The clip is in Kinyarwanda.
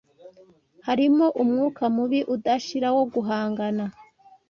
harimo umwuka mubi udashira wo guhangana,